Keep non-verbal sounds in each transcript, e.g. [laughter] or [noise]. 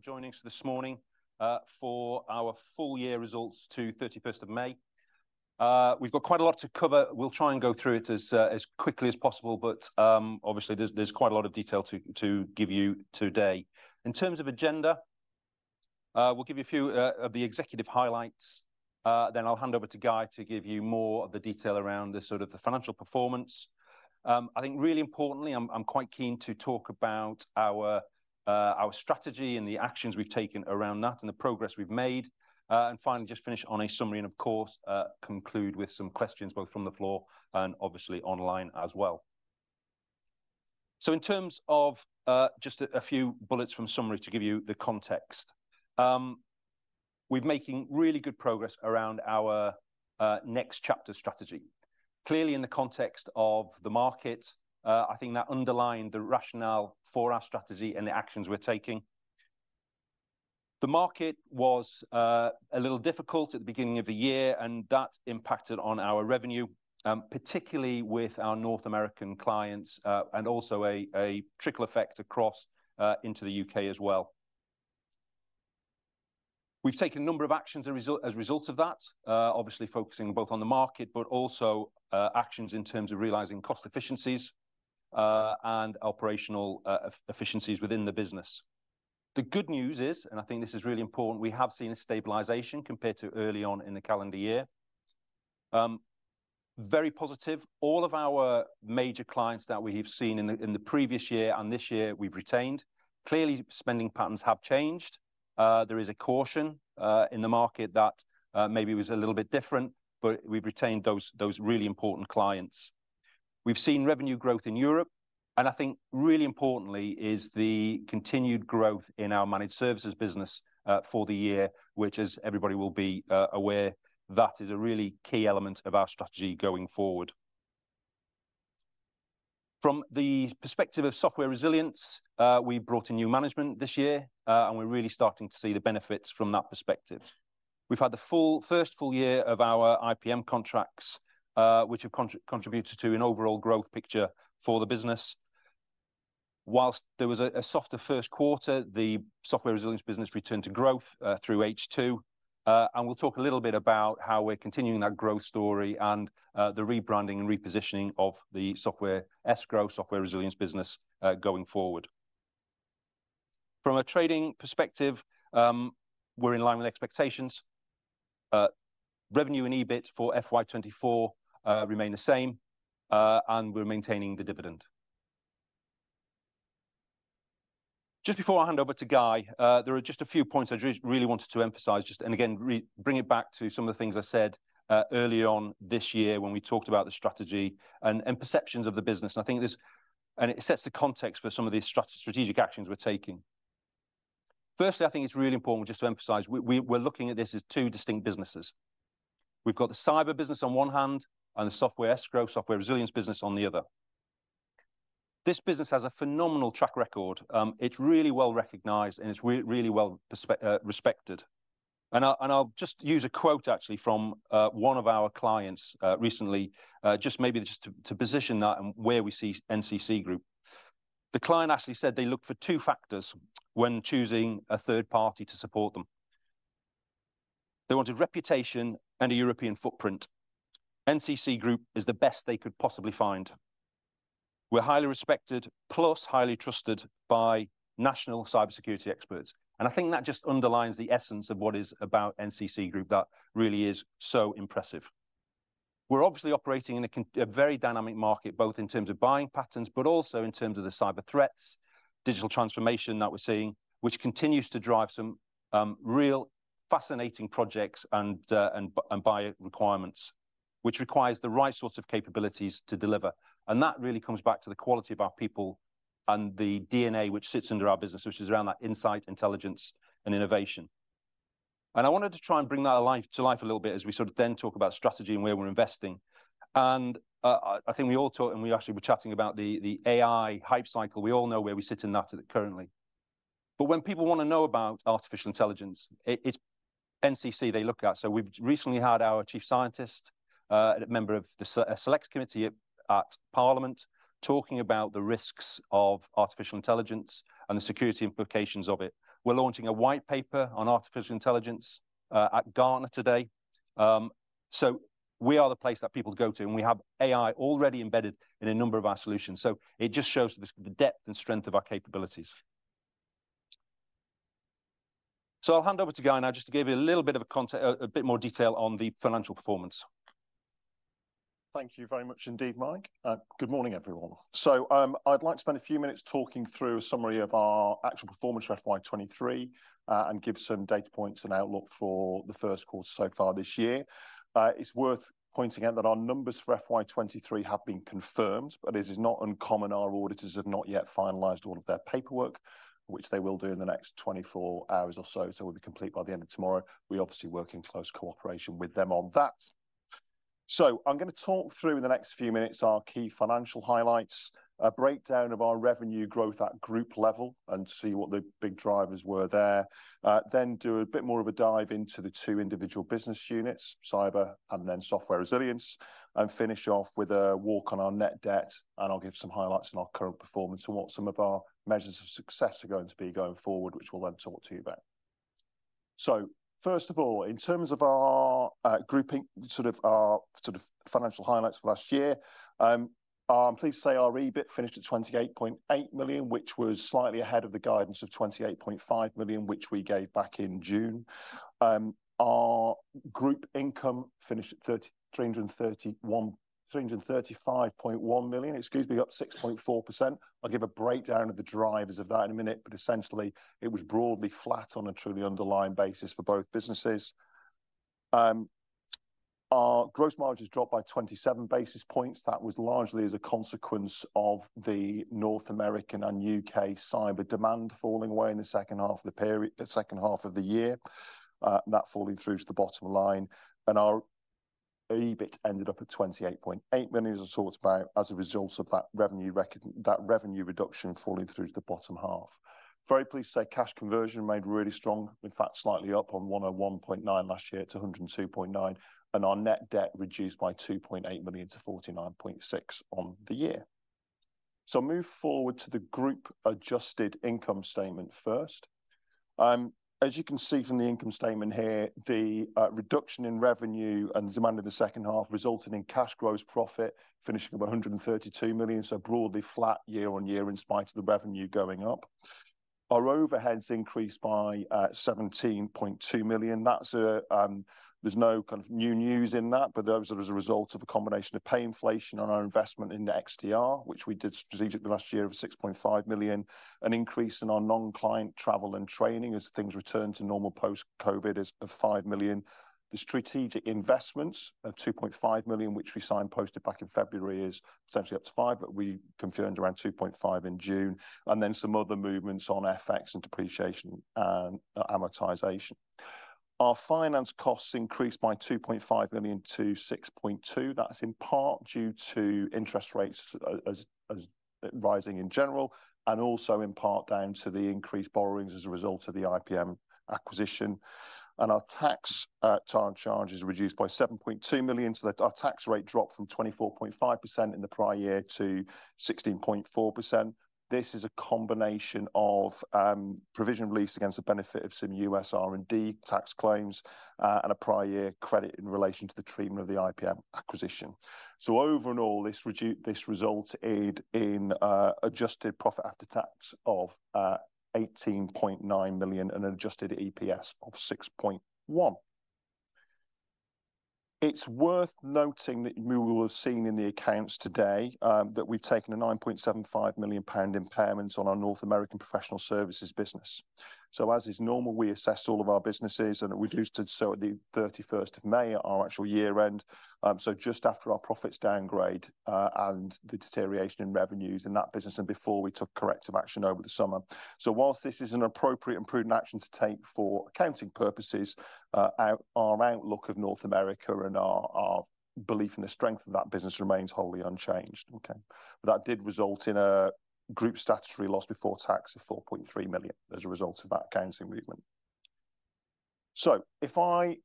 For joining us this morning for our full year results to 31st of May. We've got quite a lot to cover. We'll try and go through it as quickly as possible, but obviously there's quite a lot of detail to give you today. In terms of agenda, we'll give you a few of the executive highlights, then I'll hand over to Guy to give you more of the detail around the sort of the financial performance. I think really importantly, I'm quite keen to talk about our strategy and the actions we've taken around that and the progress we've made. And finally, just finish on a summary and of course conclude with some questions, both from the floor and obviously online as well. In terms of just a few bullets from summary to give you the context. We're making really good progress around our next chapter strategy. Clearly, in the context of the market, I think that underlined the rationale for our strategy and the actions we're taking. The market was a little difficult at the beginning of the year, and that impacted on our revenue, particularly with our North American clients, and also a trickle effect across into the U.K. as well. We've taken a number of actions as a result, as a result of that, obviously focusing both on the market, but also actions in terms of realizing cost efficiencies, and operational efficiencies within the business. The good news is, and I think this is really important, we have seen a stabilization compared to early on in the calendar year. Very positive. All of our major clients that we've seen in the previous year and this year, we've retained. Clearly, spending patterns have changed. There is a caution in the market that maybe was a little bit different, but we've retained those really important clients. We've seen revenue growth in Europe, and I think really importantly is the continued growth in our managed services business for the year, which as everybody will be aware, that is a really key element of our strategy going forward. From the perspective of software resilience, we brought in new management this year, and we're really starting to see the benefits from that perspective. We've had the first full year of our IPM contracts, which have contributed to an overall growth picture for the business. While there was a softer Q1, the software resilience business returned to growth through H2. And we'll talk a little bit about how we're continuing that growth story and the rebranding and repositioning of the escrow software resilience business going forward. From a trading perspective, we're in line with expectations. Revenue and EBIT for FY 2024 remain the same, and we're maintaining the dividend. Just before I hand over to Guy, there are just a few points I really wanted to emphasize, just, and again, bring it back to some of the things I said earlier on this year when we talked about the strategy and perceptions of the business. I think this sets the context for some of the strategic actions we're taking. Firstly, I think it's really important just to emphasize, we're looking at this as two distinct businesses. We've got the cyber business on one hand and the software escrow, software resilience business on the other. This business has a phenomenal track record. It's really well-recognized, and it's really well respected. And I'll just use a quote, actually, from one of our clients, recently, just maybe just to position that and where we see NCC Group. "The client actually said they look for two factors when choosing a third party to support them. They wanted reputation and a European footprint. NCC Group is the best they could possibly find. We're highly respected, plus highly trusted by national cybersecurity experts." I think that just underlines the essence of what is about NCC Group that really is so impressive. We're obviously operating in a very dynamic market, both in terms of buying patterns, but also in terms of the cyber threats, digital transformation that we're seeing, which continues to drive some real fascinating projects and buyer requirements, which requires the right sorts of capabilities to deliver. That really comes back to the quality of our people and the DNA which sits under our business, which is around that insight, intelligence and innovation. I wanted to try and bring that to life a little bit as we sort of then talk about strategy and where we're investing. I think we all talk, and we actually were chatting about the AI hype cycle. We all know where we sit in that currently. But when people want to know about artificial intelligence, it's NCC they look at. So we've recently had our chief scientist, a member of a select committee at Parliament, talking about the risks of artificial intelligence and the security implications of it. We're launching a white paper on artificial intelligence at Gartner today. So we are the place that people go to, and we have AI already embedded in a number of our solutions, so it just shows the depth and strength of our capabilities. So I'll hand over to Guy now just to give you a little bit more detail on the financial performance. Thank you very much indeed, Mike. Good morning, everyone. So, I'd like to spend a few minutes talking through a summary of our actual performance for FY 2023, and give some data points and outlook for the Q1 so far this year. It's worth pointing out that our numbers for FY 2023 have been confirmed, but it is not uncommon our auditors have not yet finalized all of their paperwork, which they will do in the next 24 hours or so. So we'll be complete by the end of tomorrow. We obviously work in close cooperation with them on that. So I'm gonna talk through in the next few minutes our key financial highlights, a breakdown of our revenue growth at group level, and see what the big drivers were there. Then do a bit more of a dive into the two individual business units, cyber and then software resilience, and finish off with a walk on our net debt, and I'll give some highlights on our current performance and what some of our measures of success are going to be going forward, which we'll then talk to you about. So first of all, in terms of our grouping, sort of our sort of financial highlights for last year, I'm pleased to say our EBIT finished at 28.8 million, which was slightly ahead of the guidance of 28.5 million, which we gave back in June. Our group income finished at 335.1 million, excuse me, up 6.4%. I'll give a breakdown of the drivers of that in a minute, but essentially it was broadly flat on a truly underlying basis for both businesses. Our gross margins dropped by 27 basis points. That was largely as a consequence of the North American and U.K. cyber demand falling away in the second half of the period, the second half of the year, that falling through to the bottom line, and our EBIT ended up at 28.8 million, as I talked about, as a result of that revenue rec-- that revenue reduction falling through to the bottom half. Very pleased to say cash conversion remained really strong, in fact slightly up on 101.9 last year to 102.9%, and our net debt reduced by 2.8 million to 49.6 million on the year. I move forward to the group adjusted income statement first. As you can see from the income statement here, the reduction in revenue and demand in the second half resulted in cash gross profit finishing up 132 million, so broadly flat year on year in spite of the revenue going up. Our overheads increased by 17.2 million. That's, there's no kind of new news in that, but those are as a result of a combination of pay inflation on our investment into XDR, which we did strategically last year of 6.5 million. An increase in our non-client travel and training as things return to normal post-COVID is, of 5 million. The strategic investments of 2.5 million, which we signposted back in February, is potentially up to 5 million, but we confirmed around 2.5 million in June, and then some other movements on FX and depreciation and amortization. Our finance costs increased by 2.5 million to 6.2 million. That's in part due to interest rates as rising in general, and also in part down to the increased borrowings as a result of the IPM acquisition. Our tax charge is reduced by 7.2 million, so that our tax rate dropped from 24.5% in the prior year to 16.4%. This is a combination of provision release against the benefit of some U.S. R&D tax claims and a prior year credit in relation to the treatment of the IPM acquisition. So overall, this resulted in adjusted profit after tax of 18.9 million and an adjusted EPS of 6.1. It's worth noting that you will have seen in the accounts today that we've taken a EUR 9.75 million impairment on our North American professional services business. So as is normal, we assess all of our businesses, and we've reduced it so at the thirty-first of May, at our actual year end, so just after our profits downgrade and the deterioration in revenues in that business and before we took corrective action over the summer. So while this is an appropriate and prudent action to take for accounting purposes, our, our outlook of North America and our, our belief in the strength of that business remains wholly unchanged, okay? But that did result in a group statutory loss before tax of 4.3 million as a result of that accounting movement. So if I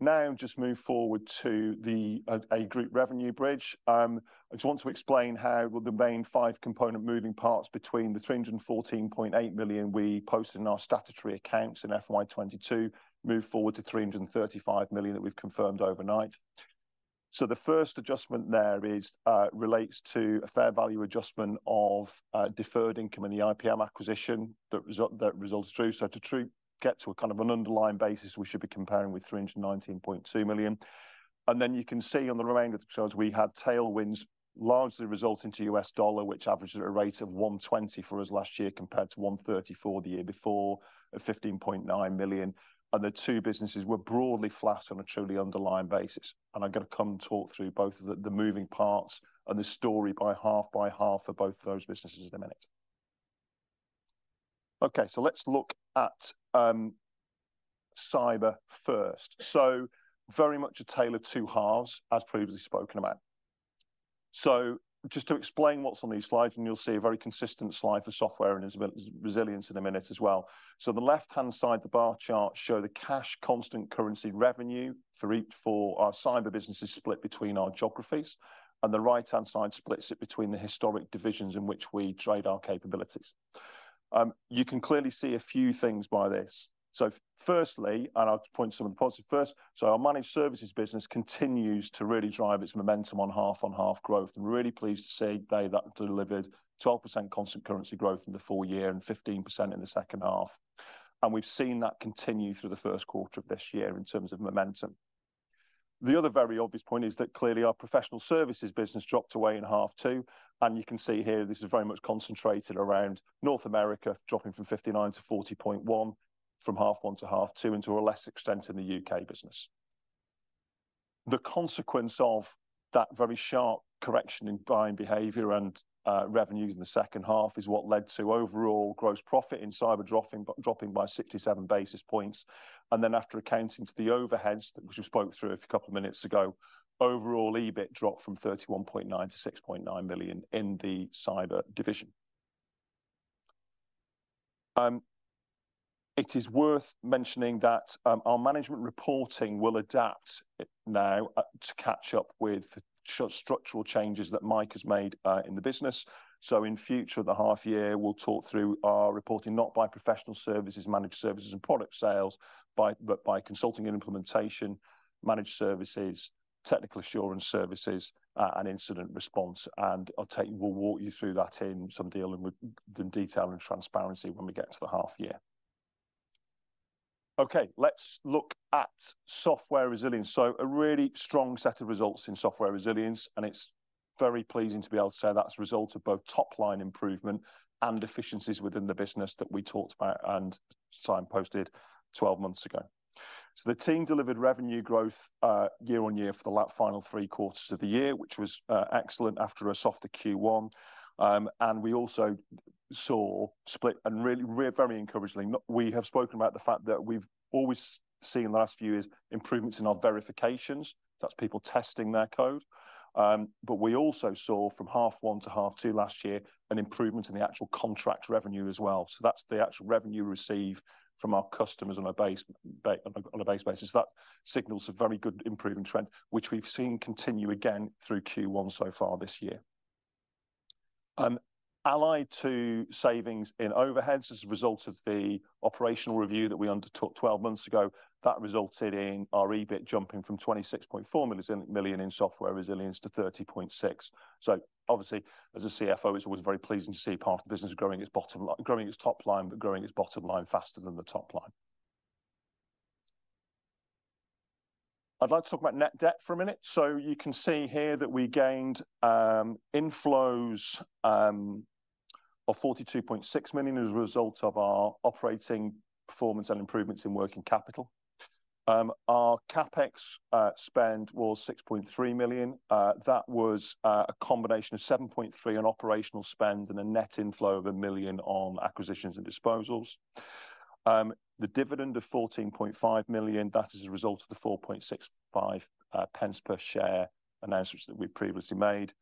now just move forward to the group revenue bridge, I just want to explain how well the main five component moving parts between the 314.8 million we posted in our statutory accounts in FY 2022 moved forward to 335 million that we've confirmed overnight. So the first adjustment there is relates to a fair value adjustment of deferred income in the IPM acquisition that results through. So to get to a kind of an underlying basis, we should be comparing with 319.2 million. And then you can see on the remainder of the charts we had tailwinds largely resulting to U.S. dollar, which averages at a rate of 1.20 for us last year, compared to 1.34 the year before, at 15.9 million, and the two businesses were broadly flat on a truly underlying basis. I'm gonna come and talk through both the moving parts and the story by half by half for both of those businesses in a minute. Okay, so let's look at cyber first. So very much a tale of two halves, as previously spoken about. So just to explain what's on these slides, and you'll see a very consistent slide for software and resilience in a minute as well. The left-hand side of the bar chart show the cash constant currency revenue for each, for our cyber business is split between our geographies, and the right-hand side splits it between the historic divisions in which we trade our capabilities. You can clearly see a few things by this. So firstly, and I'll point some of the positives first, so our managed services business continues to really drive its momentum on half-on-half growth. I'm really pleased to say that delivered 12% constant currency growth in the full year and 15% in the second half, and we've seen that continue through the Q1 of this year in terms of momentum. The other very obvious point is that clearly our professional services business dropped away in half two, and you can see here this is very much concentrated around North America, dropping from 59 to 40.1 from half one to half two, and to a less extent in the U.K. business. The consequence of that very sharp correction in buying behavior and revenues in the second half is what led to overall gross profit in cyber dropping by 67 basis points. Then after accounting for the overheads, which we spoke through a couple of minutes ago, overall, EBIT dropped from 31.9 million to 6.9 million in the cyber division. It is worth mentioning that our management reporting will adapt now to catch up with the structural changes that Mike has made in the business. So in future, the half year, we'll talk through our reporting, not by Professional Services, Managed Services, and product sales, but by Consulting and Implementation, Managed Services, Technical Assurance Services, and Incident Response. We'll walk you through that in some detail and within detail and transparency when we get to the half year. Okay, let's look at Software Resilience. So a really strong set of results in Software Resilience, and it's very pleasing to be able to say that's a result of both top-line improvement and efficiencies within the business that we talked about and signposted 12 months ago. So the team delivered revenue growth year-on-year for the final three quarters of the year, which was excellent after a softer Q1. We also saw really very encouragingly, we have spoken about the fact that we've always seen, in the last few years, improvements in our verifications, that's people testing their code. But we also saw from half one to half two last year, an improvement in the actual contract revenue as well. So that's the actual revenue received from our customers on a base basis. That signals a very good improving trend, which we've seen continue again through Q1 so far this year. Allied to savings in overheads as a result of the operational review that we undertook 12 months ago, that resulted in our EBIT jumping from 26.4 million in Software Resilience to 30.6 million. So obviously, as a CFO, it's always very pleasing to see part of the business growing its bottom line, growing its top line, but growing its bottom line faster than the top line. I'd like to talk about net debt for a minute. You can see here that we gained inflows of 42.6 million as a result of our operating performance and improvements in working capital. Our CapEx spend was 6.3 million. That was a combination of 7.3 million in operational spend and a net inflow of 1 million on acquisitions and disposals. The dividend of 14.5 million, that is a result of the 0.0465 per share announcements that we've previously made.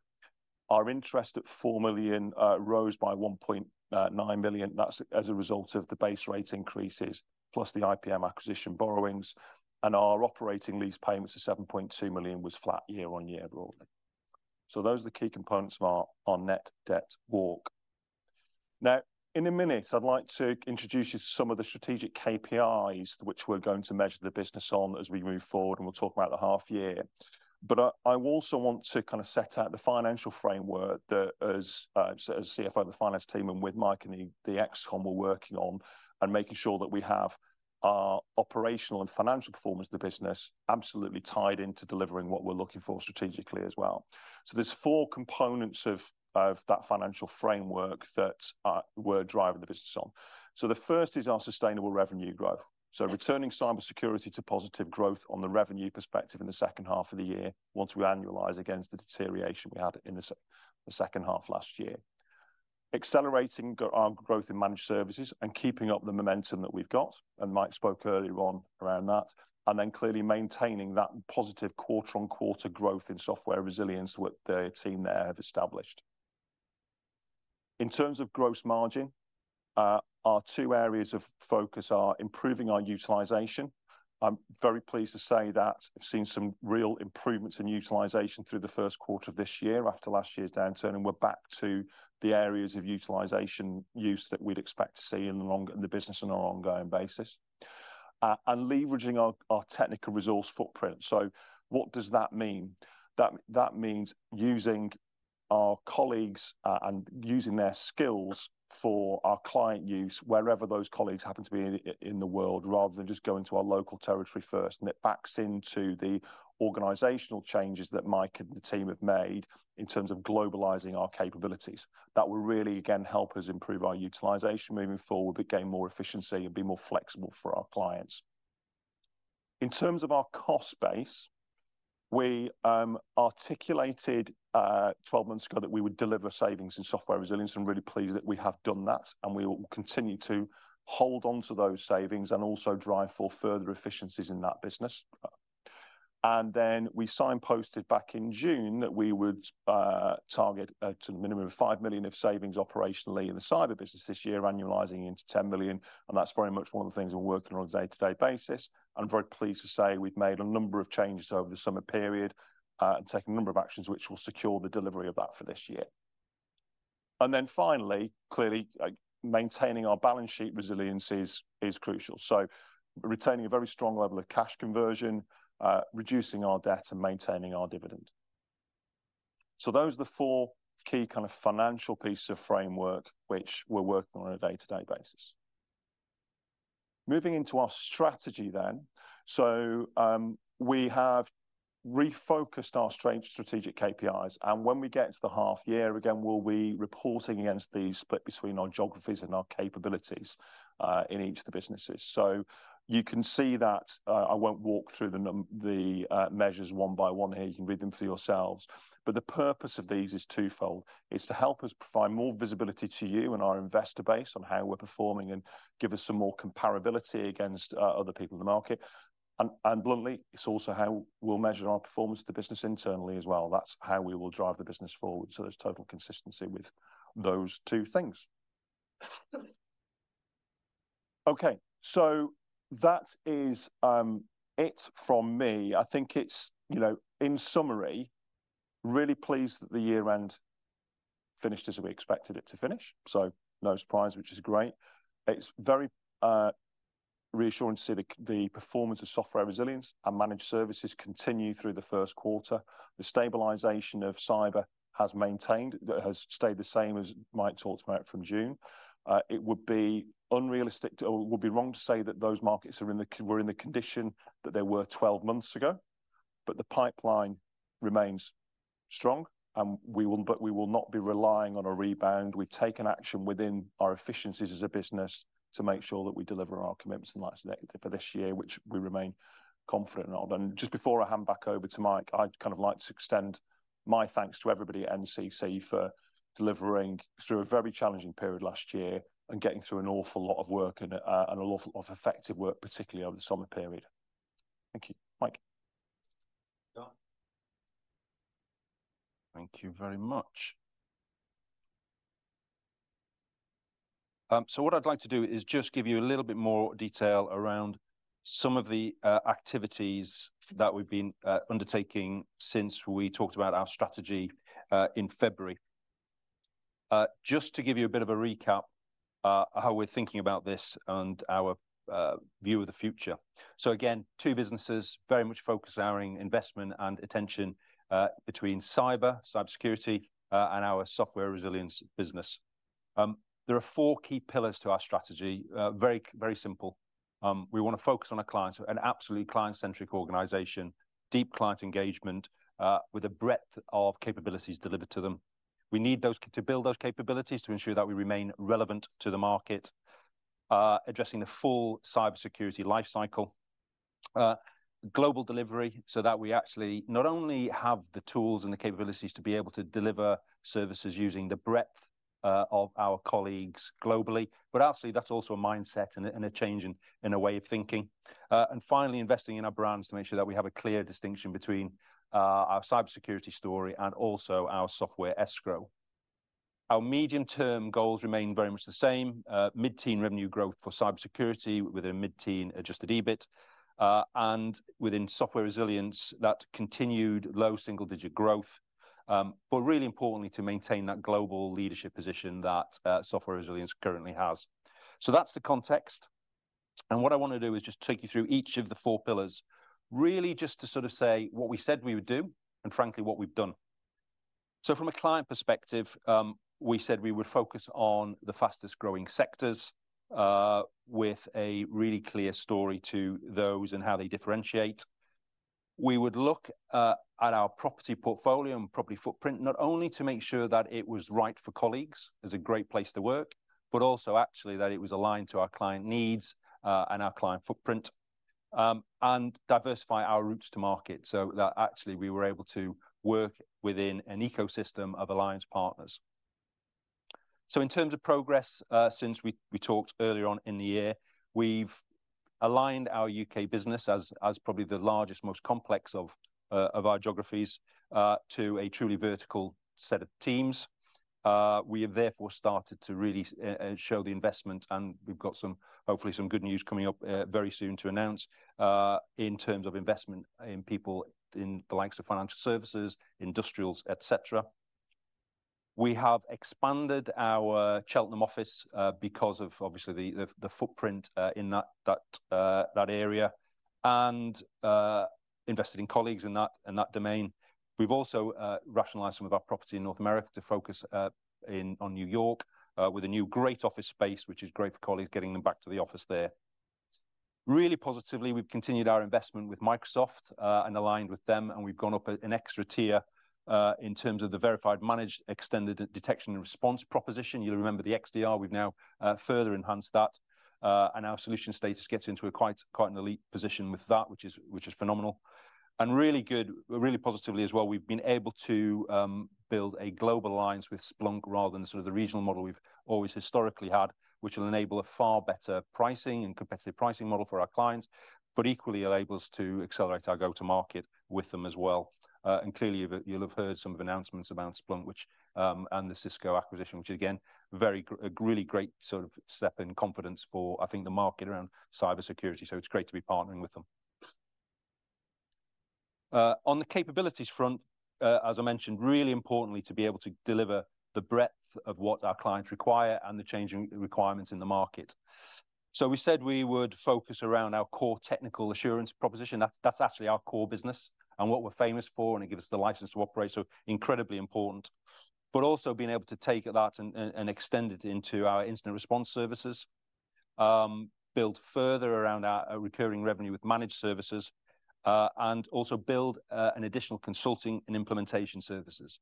Our interest at 4 million rose by 1.9 million. That's as a result of the base rate increases, plus the IPM acquisition borrowings, and our operating lease payments of 7.2 million was flat year-on-year broadly. So those are the key components of our net debt walk. Now, in a minute, I'd like to introduce you to some of the strategic KPIs, which we're going to measure the business on as we move forward, and we'll talk about the half year. But, I also want to kind of set out the financial framework that as CFO of the finance team and with Mike and the ExCom we're working on, and making sure that we have our operational and financial performance of the business absolutely tied into delivering what we're looking for strategically as well. So there's four components of that financial framework that we're driving the business on. The first is our sustainable revenue growth. So returning cybersecurity to positive growth on the revenue perspective in the second half of the year, once we annualize against the deterioration we had in the second half last year. Accelerating our growth in Managed Services and keeping up the momentum that we've got, and Mike spoke earlier on around that, and then clearly maintaining that positive quarter-on-quarter growth in Software Resilience with the team there have established. In terms of Gross Margin, our two areas of focus are improving our utilization. I'm very pleased to say that I've seen some real improvements in utilization through the Q1 of this year after last year's downturn, and we're back to the areas of utilization use that we'd expect to see in the business on an ongoing basis. And leveraging our technical resource footprint. What does that mean? That, that means using our colleagues, and using their skills for our client use wherever those colleagues happen to be in the, in the world, rather than just going to our local territory first, and it backs into the organizational changes that Mike and the team have made in terms of globalizing our capabilities. That will really, again, help us improve our utilization moving forward, but gain more efficiency and be more flexible for our clients. In terms of our cost base, we, articulated, 12 months ago that we would deliver savings in Software Resilience. I'm really pleased that we have done that, and we will continue to hold on to those savings and also drive for further efficiencies in that business. We signposted back in June that we would target to the minimum of 5 million of savings operationally in the cyber business this year, annualizing into 10 million, and that's very much one of the things we're working on a day-to-day basis. I'm very pleased to say we've made a number of changes over the summer period and taken a number of actions which will secure the delivery of that for this year. And then finally, clearly, maintaining our balance sheet resilience is crucial. So retaining a very strong level of cash conversion, reducing our debt, and maintaining our dividend. So those are the four key kind of financial pieces of framework, which we're working on a day-to-day basis. Moving into our strategy then. We have refocused our strategic KPIs, and when we get to the half year, again, we'll be reporting against these, but between our geographies and our capabilities in each of the businesses. So you can see that, I won't walk through the measures one by one here, you can read them for yourselves. But the purpose of these is twofold: it's to help us provide more visibility to you and our investor base on how we're performing and give us some more comparability against other people in the market. And bluntly, it's also how we'll measure our performance of the business internally as well. That's how we will drive the business forward, so there's total consistency with those two things. Okay, so that is it from me. I think it's, you know, in summary, really pleased that the year-end finished as we expected it to finish, so no surprise, which is great. It's very, reassuring to see the performance of Software Resilience and Managed Services continue through the Q1. The stabilization of cyber has maintained, has stayed the same as Mike talked about from June. It would be unrealistic to, or it would be wrong to say that those markets are in the were in the condition that they were 12 months ago, but the pipeline remains strong, and we but we will not be relying on a rebound. We've taken action within our efficiencies as a business to make sure that we deliver on our commitments and the like for this year, which we remain confident in. Just before I hand back over to Mike, I'd kind of like to extend my thanks to everybody at NCC for delivering through a very challenging period last year and getting through an awful lot of work and an awful lot of effective work, particularly over the summer period. Thank you. Mike? Thank you very much. So what I'd like to do is just give you a little bit more detail around some of the activities that we've been undertaking since we talked about our strategy in February. Just to give you a bit of a recap, how we're thinking about this and our view of the future. So again, two businesses very much focusing our investment and attention between cyber, cybersecurity, and our software resilience business. There are four key pillars to our strategy, very simple. We want to focus on our clients, an absolutely client-centric organization, deep client engagement with a breadth of capabilities delivered to them. We need to build those capabilities to ensure that we remain relevant to the market, addressing the full cybersecurity life cycle. Global delivery, so that we actually not only have the tools and the capabilities to be able to deliver services using the breadth of our colleagues globally, but actually that's also a mindset and a, and a change in, in our way of thinking. And finally, investing in our brands to make sure that we have a clear distinction between our cybersecurity story and also our software escrow. Our medium-term goals remain very much the same. Mid-teen revenue growth for cybersecurity with a mid-teen adjusted EBIT. And within software resilience, that continued low double-digit growth, but really importantly, to maintain that global leadership position that software resilience currently has. That's the context, and what I want to do is just take you through each of the four pillars, really just to sort of say what we said we would do and frankly, what we've done. So from a client perspective, we said we would focus on the fastest-growing sectors, with a really clear story to those and how they differentiate. We would look at our property portfolio and property footprint, not only to make sure that it was right for colleagues, it's a great place to work, but also actually that it was aligned to our client needs, and our client footprint, and diversify our routes to market so that actually we were able to work within an ecosystem of alliance partners. In terms of progress, since we talked earlier on in the year, we've aligned our U.K. business as probably the largest, most complex of our geographies to a truly vertical set of teams. We have therefore started to really show the investment, and we've got some, hopefully some good news coming up very soon to announce in terms of investment in people in the likes of financial services, industrials, et cetera. We have expanded our Cheltenham office because of obviously the footprint in that area and invested in colleagues in that domain. We've also rationalized some of our property in North America to focus in on New York with a new great office space, which is great for colleagues, getting them back to the office there. Really positively, we've continued our investment with Microsoft and aligned with them, and we've gone up an extra tier in terms of the verified managed extended detection and response proposition. You'll remember the XDR; we've now further enhanced that, and our solution status gets into a quite, quite an elite position with that, which is, which is phenomenal. Really good, really positively as well, we've been able to build a global alliance with Splunk rather than sort of the regional model we've always historically had, which will enable a far better pricing and competitive pricing model for our clients, but equally enable us to accelerate our go-to-market with them as well. And clearly, you'll have heard some of the announcements about Splunk and the Cisco acquisition, which again, a really great sort of step in confidence for, I think, the market around cybersecurity, so it's great to be partnering with them. On the capabilities front, as I mentioned, really importantly, to be able to deliver the breadth of what our clients require and the changing requirements in the market. So we said we would focus around our core technical assurance proposition. That's, that's actually our core business and what we're famous for, and it gives us the license to operate, so incredibly important. But also being able to take that and extend it into our incident response services, build further around our recurring revenue with managed services, and also build an additional consulting and implementation services.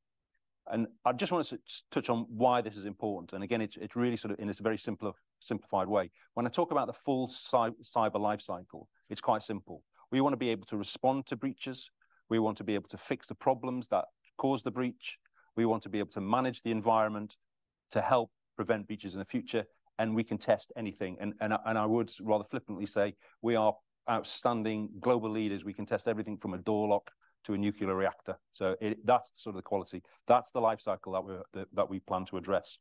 And I just want to touch on why this is important, and again, it's, it's really sort of in this very simpler, simplified way. When I talk about the full cyber life cycle, it's quite simple. We want to be able to respond to breaches, we want to be able to fix the problems that cause the breach, we want to be able to manage the environment to help prevent breaches in the future, and we can test anything. I would rather flippantly say we are outstanding global leaders. We can test everything from a door lock to a nuclear reactor, so it-- that's sort of the quality, that's the life cycle that we plan to address.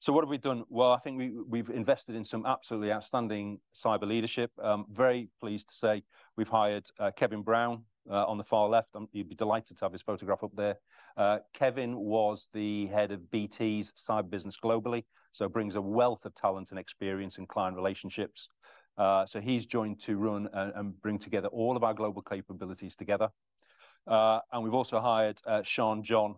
So what have we done? Well, I think we've invested in some absolutely outstanding cyber leadership. Very pleased to say we've hired Kevin Brown on the far left he'd be delighted to have his photograph up there. Kevin was the head of BT's cyber business globally, so brings a wealth of talent and experience in client relationships. So he's joined to run and bring together all of our global capabilities together. And we've also hired Siân John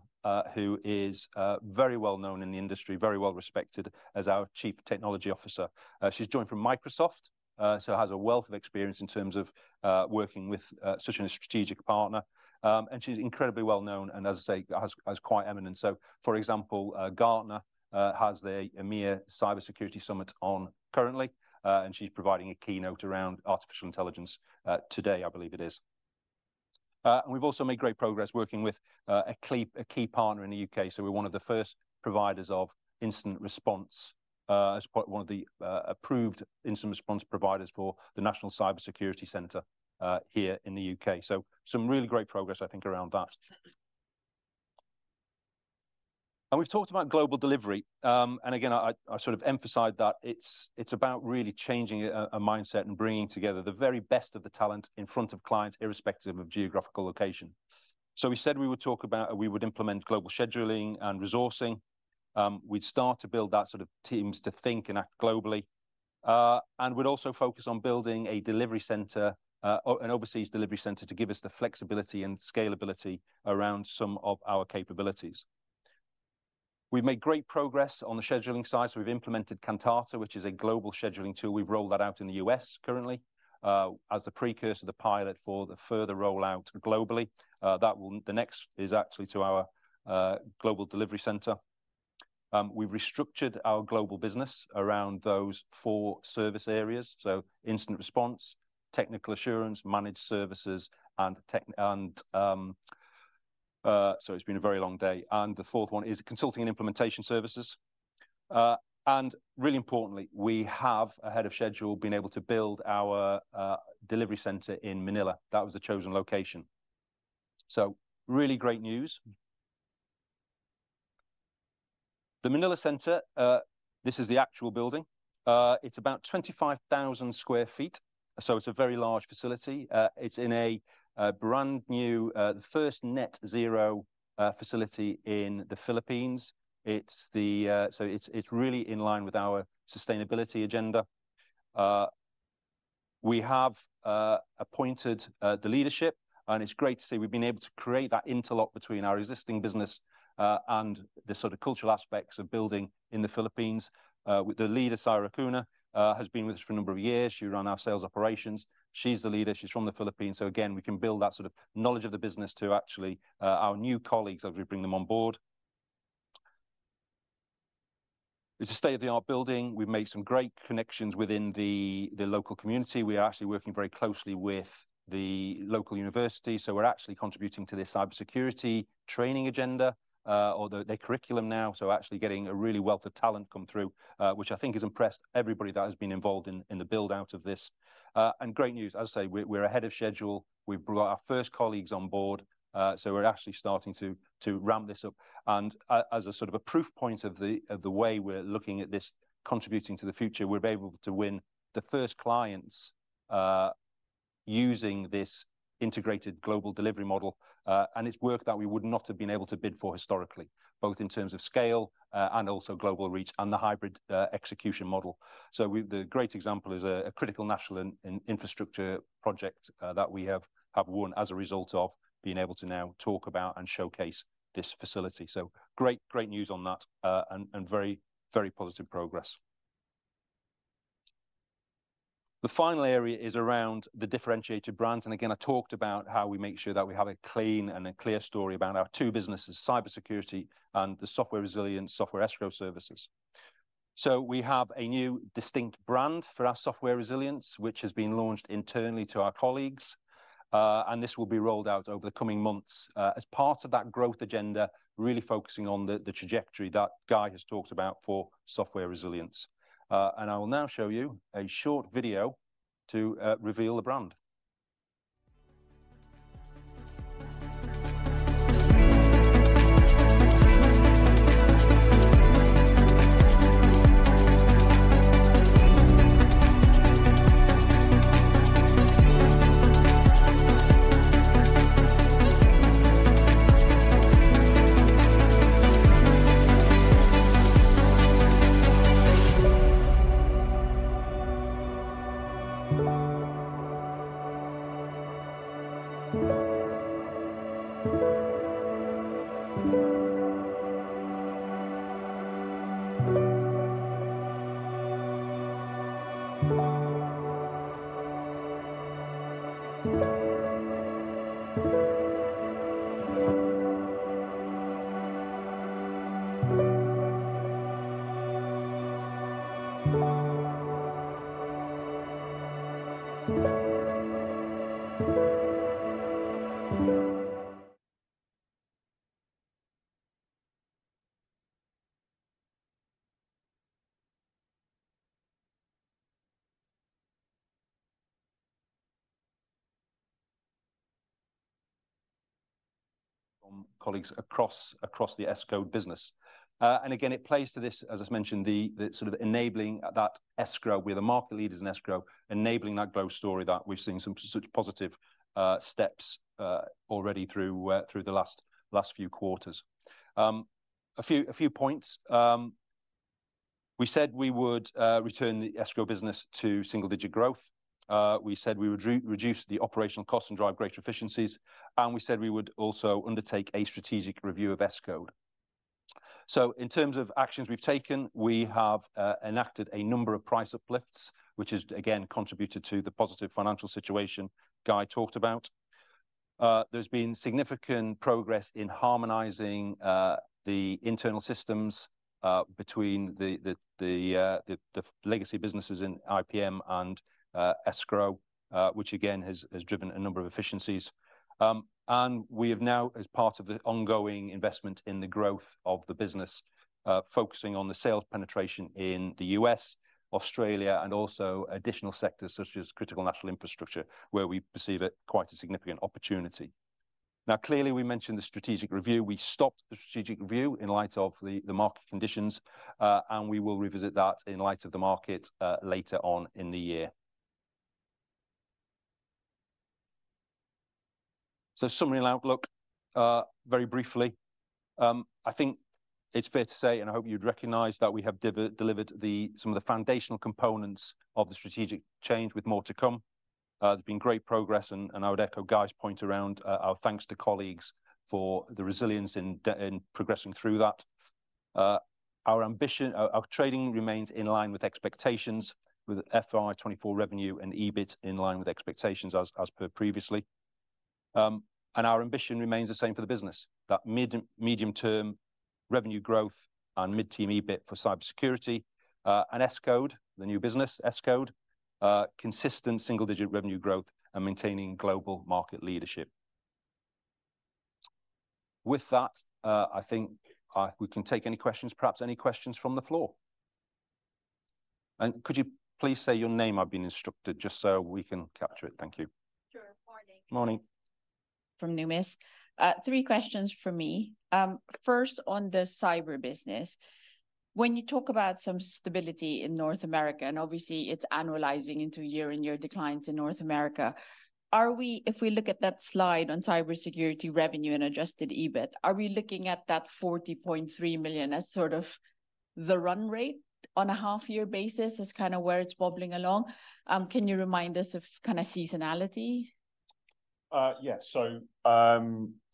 who is very well known in the industry, very well respected, as our Chief Technology Officer. She's joined from Microsoft, so has a wealth of experience in terms of working with such a strategic partner. And she's incredibly well known and, as I say, has quite eminent. So, for example, Gartner has their EMEA Cybersecurity Summit on currently, and she's providing a keynote around artificial intelligence today, I believe it is. And we've also made great progress working with a key partner in the U.K. So we're one of the first providers of incident response, one of the approved incident response providers for the National Cyber Security Centre here in the U.K. So some really great progress, I think, around that. And we've talked about global delivery. Again, I sort of emphasize that it's about really changing a mindset and bringing together the very best of the talent in front of clients, irrespective of geographical location. So we said we would implement global scheduling and resourcing. We'd start to build that sort of teams to think and act globally. And we'd also focus on building a delivery center, an overseas delivery center, to give us the flexibility and scalability around some of our capabilities. We've made great progress on the scheduling side, so we've implemented Kantata, which is a global scheduling tool. We've rolled that out in the U.S. currently, as the precursor to the pilot for the further rollout globally. That will. The next is actually to our global delivery center. We've restructured our global business around those four service areas, so incident response, technical assurance, managed services, and consulting and implementation services. Sorry, it's been a very long day. And really importantly, we have, ahead of schedule, been able to build our delivery center in Manila. That was the chosen location. So really great news. The Manila center, this is the actual building. It's about 25,000 sq ft, so it's a very large facility. It's in a brand-new, the first net zero facility in the Philippines. So it's really in line with our sustainability agenda. We have appointed the leadership, and it's great to see we've been able to create that interlock between our existing business, and the sort of cultural aspects of building in the Philippines. With the leader, Saira Acuna, has been with us for a number of years. She run our sales operations. She's the leader. She's from the Philippines, so again, we can build that sort of knowledge of the business to actually our new colleagues as we bring them on board. It's a state-of-the-art building. We've made some great connections within the local community. We are actually working very closely with the local university, so we're actually contributing to their cybersecurity training agenda, or their curriculum now. Actually getting a real wealth of talent come through, which I think has impressed everybody that has been involved in the build-out of this. And great news, as I say, we're ahead of schedule. We've brought our first colleagues on board, so we're actually starting to ramp this up. And as a sort of a proof point of the way we're looking at this contributing to the future, we've been able to win the first clients using this integrated global delivery model. And it's work that we would not have been able to bid for historically, both in terms of scale and also global reach, and the hybrid execution model. The great example is a critical national infrastructure project that we have won as a result of being able to now talk about and showcase this facility. Great news on that, and very positive progress. The final area is around the differentiated brands. Again, I talked about how we make sure that we have a clean and clear story about our two businesses: cybersecurity and Software Resilience, software escrow services. We have a new distinct brand for our Software Resilience, which has been launched internally to our colleagues, and this will be rolled out over the coming months as part of that growth agenda, really focusing on the trajectory that Guy has talked about for Software Resilience. And I will now show you a short video to reveal the brand from colleagues across the Escode business. And again, it plays to this, as I mentioned, the sort of enabling that Escrow, we're the market leaders in Escrow, enabling that growth story that we've seen some such positive steps already through the last few quarters. A few points. We said we would return the Escrow business to single-digit growth. We said we would reduce the operational costs and drive greater efficiencies, and we said we would also undertake a strategic review of Escode. So in terms of actions we've taken, we have enacted a number of price uplifts, which has again contributed to the positive financial situation Guy talked about. There's been significant progress in harmonizing the internal systems between the legacy businesses in IPM and Escrow, which again has driven a number of efficiencies. And we have now, as part of the ongoing investment in the growth of the business, focusing on the sales penetration in the U.S., Australia, and also additional sectors such as critical national infrastructure, where we perceive it quite a significant opportunity. Now, clearly, we mentioned the strategic review. We stopped the strategic review in light of the market conditions, and we will revisit that in light of the market later on in the year. So summary and outlook very briefly. I think it's fair to say, and I hope you'd recognize, that we have delivered some of the foundational components of the strategic change with more to come. There's been great progress, and I would echo Guy's point around our thanks to colleagues for the resilience in progressing through that. Our ambition, our trading remains in line with expectations, with FY 2024 revenue and EBIT in line with expectations as per previously. And our ambition remains the same for the business, that medium-term revenue growth and medium-term EBIT for cybersecurity and Escode, the new business, Escode, consistent single-digit revenue growth and maintaining global market leadership. With that, I think we can take any questions, perhaps any questions from the floor? Could you please say your name, I've been instructed, just so we can capture it. Thank you. Sure. Morning. Morning. From Numis. Three questions from me. First, on the cyber business, when you talk about some stability in North America, and obviously it's annualizing into year-on-year declines in North America, are we if we look at that slide on cybersecurity revenue and adjusted EBIT, are we looking at that 40.3 million as sort of the run rate on a half-year basis, as kind of where it's bobbing along? Can you remind us of kind of seasonality? Yeah. So,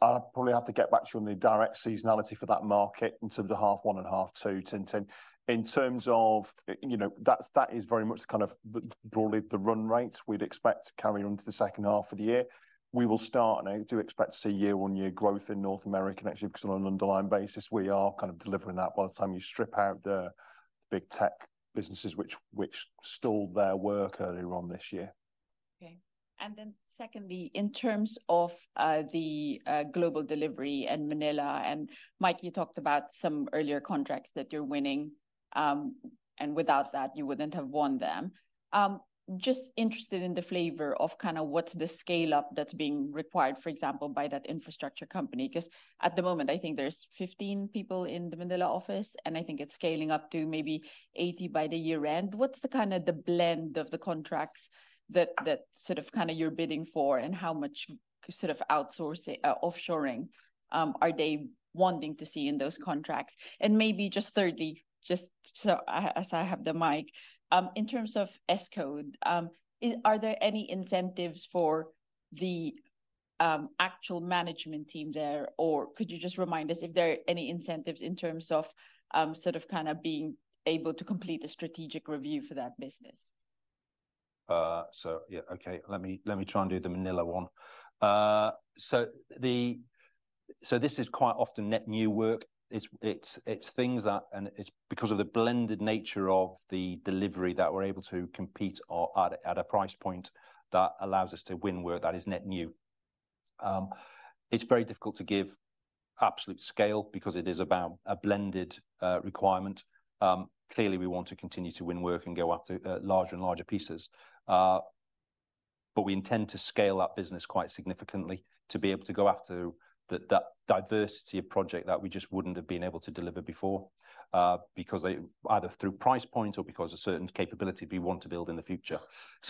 I'll probably have to get back to you on the direct seasonality for that market in terms of the half one and half two, Tintin. In terms of, you know, that's, that is very much kind of the, broadly the run rate we'd expect to carry on to the second half of the year. We will start, and I do expect to see year-on-year growth in North America, actually, because on an underlying basis, we are kind of delivering that by the time you strip out the big tech businesses which, which stalled their work earlier on this year. Okay. And then secondly, in terms of the global delivery and Manila, and Mike, you talked about some earlier contracts that you're winning, and without that, you wouldn't have won them. Just interested in the flavour of kind of what's the scale-up that's being required, for example, by that infrastructure company? Because at the moment, I think there's 15 people in the Manila office, and I think it's scaling up to maybe 80 by the year end. What's the kind of the blend of the contracts that, that sort of, kind of you're bidding for, and how much sort of outsource, offshoring, are they wanting to see in those contracts? And maybe just thirdly, just so as I have the mic, in terms of Escode, are there any incentives for the actual management team there, or could you just remind us if there are any incentives in terms of sort of kind of being able to complete the strategic review for that business? Yeah, okay, let me try and do the Manila one. So this is quite often net new work. It's things that... And it's because of the blended nature of the delivery that we're able to compete at a price point that allows us to win work that is net new. It's very difficult to give absolute scale because it is about a blended requirement. Clearly, we want to continue to win work and go after larger and larger pieces. But we intend to scale that business quite significantly to be able to go after that diversity of project that we just wouldn't have been able to deliver before, because they either through price points or because of certain capability we want to build in the future.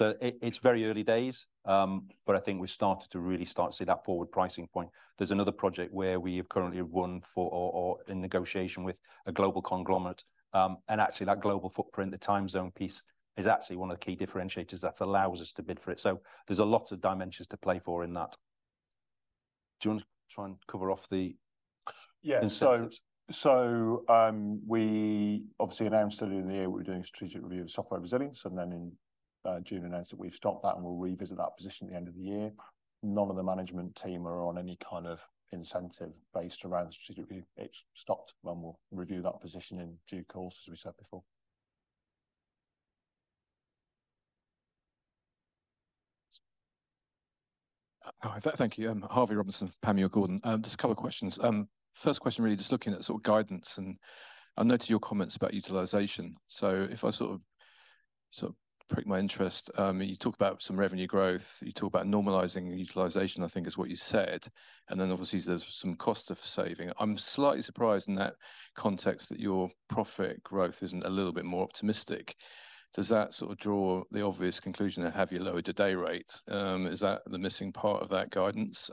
It's very early days, but I think we've started to really start to see that forward pricing point. There's another project where we have currently won for or, or in negotiation with a global conglomerate, and actually that global footprint, the time zone piece, is actually one of the key differentiators that allows us to bid for it. So there's a lot of dimensions to play for in that. Do you want to try and cover off the- Yeah. Incentives? We obviously announced earlier in the year we're doing a strategic review of Software Resilience, and then in June announced that we've stopped that, and we'll revisit that position at the end of the year. None of the management team are on any kind of incentive based around the strategic review. It's stopped, and we'll review that position in due course, as we said before. Thank you. Harvey Robinson from Panmure Gordon. Just a couple of questions. First question, really just looking at sort of guidance, and I noted your comments about utilization. So pricked my interest. You talk about some revenue growth, you talk about normalizing utilization, I think is what you said, and then obviously there's some cost savings. I'm slightly surprised in that context that your profit growth isn't a little bit more optimistic. Does that sort of draw the obvious conclusion that have you lowered the day rate? Is that the missing part of that guidance?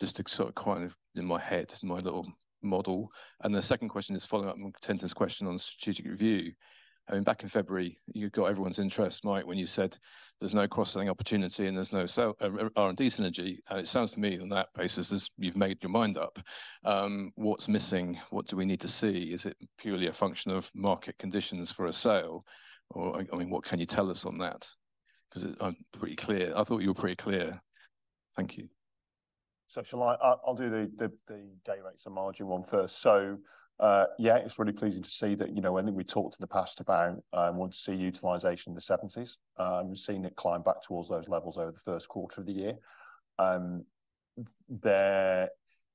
Just to sort of quieten in my head, my little model. And the second question is following up on Tintin's question on strategic review. I mean, back in February, you got everyone's interest, Mike, when you said there's no cross-selling opportunity and there's no sale, R&D synergy. It sounds to me on that basis is you've made your mind up. What's missing? What do we need to see? Is it purely a function of market conditions for a sale, or I mean, what can you tell us on that? 'Cause it, I'm pretty clear, I thought you were pretty clear. Thank you. Shall I? I'll do the day rates and margin one first. So, yeah, it's really pleasing to see that, you know, I think we talked in the past about want to see utilization in the seventies. Seeing it climb back towards those levels over the Q1 of the year. There,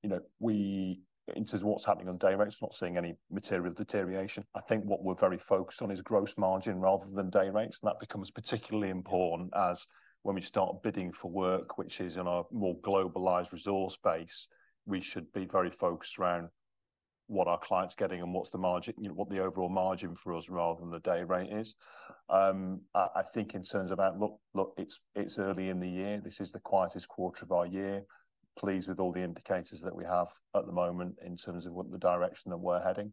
you know, we in terms of what's happening on day rates, not seeing any material deterioration. I think what we're very focused on is gross margin rather than day rates, and that becomes particularly important as when we start bidding for work, which is in our more globalized resource base, we should be very focused around what are clients getting and what's the margin, you know, what the overall margin for us rather than the day rate is. I think in terms of outlook, look, it's early in the year. This is the quietest quarter of our year. Pleased with all the indicators that we have at the moment in terms of what the direction that we're heading.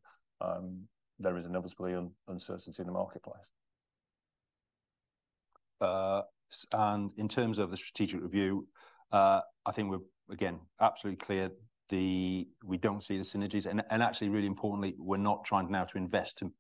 There is inevitably uncertainty in the marketplace. In terms of the strategic review, I think we're again absolutely clear we don't see the synergies and actually, really importantly, we're not trying now to invest and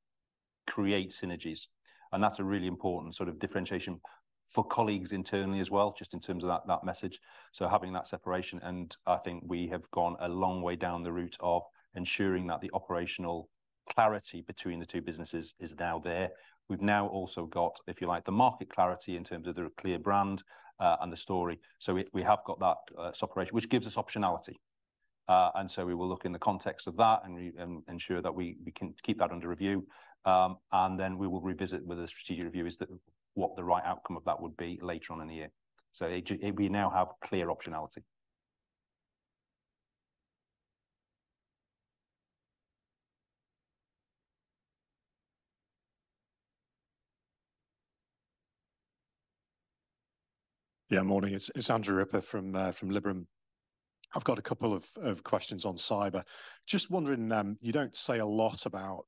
create synergies. And that's a really important sort of differentiation for colleagues internally as well, just in terms of that, that message. So having that separation, and I think we have gone a long way down the route of ensuring that the operational clarity between the two businesses is now there. We've now also got, if you like, the market clarity in terms of the clear brand and the story. So we have got that separation, which gives us optionality. And so we will look in the context of that and ensure that we can keep that under review. We will revisit with a strategic review, is that what the right outcome of that would be later on in the year. It just-- we now have clear optionality. Yeah, morning. It's Andrew Ripper from Liberum. I've got a couple of questions on cyber. Just wondering, you don't say a lot about